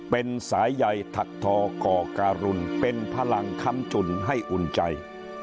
เป็นสายใยถักทอก่อการุลเป็นพลังค้ำจุนให้อุ่นใจ